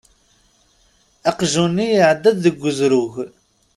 Aqjun-nni iεedda-d deg uzrug.